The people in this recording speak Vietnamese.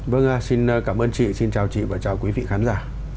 vâng xin cảm ơn chị xin chào chị và chào quý vị khán giả